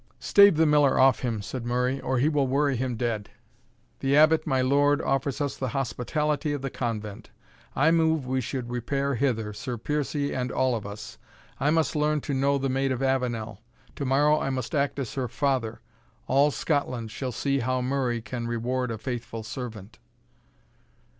"Stave the miller off him," said Murray, "or he will worry him dead. The Abbot, my lord, offers us the hospitality of the Convent; I move we should repair hither, Sir Piercie and all of us. I must learn to know the Maid of Avenel to morrow I must act as her father All Scotland shall see how Murray can reward a faithful servant."